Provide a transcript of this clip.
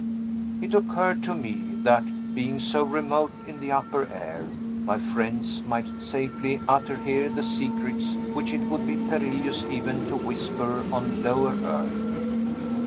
It occurred to me, that, being so remote in the upper air, my friends might safely utter here the secrets which it would be perilous even to whisper on lower earth.